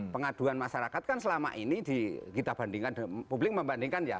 pengaduan masyarakat kan selama ini kita bandingkan publik membandingkan ya